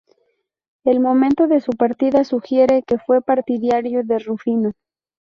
El momento de su partida sugiere que fue partidario de Rufino.